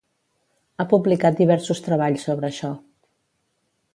Ha publicat diversos treballs sobre això.